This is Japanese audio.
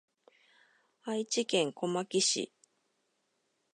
愛知県小牧市